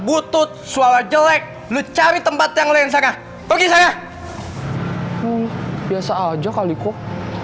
butut suara jelek lu cari tempat yang lain sangat bisa ya biasa aja kali kok